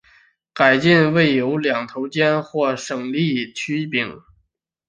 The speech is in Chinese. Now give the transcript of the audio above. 改进的耒有两个尖头或有省力曲柄。